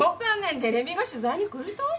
テレビが取材に来ると？